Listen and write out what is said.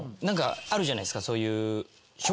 あるじゃないですかそういう。